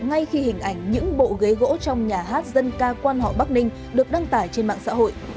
ngay khi hình ảnh những bộ ghế gỗ trong nhà hát dân ca quan họ bắc ninh được đăng tải trên mạng xã hội